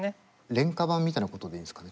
廉価版みたいなことでいいんですかね。